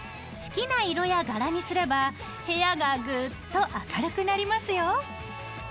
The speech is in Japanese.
好きな色や柄にすれば部屋がぐっと明るくなりますよ！